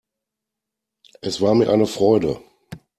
Es war mir eine Freude.